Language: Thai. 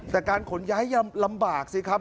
แต่การขนย้ายลำบากสิครับ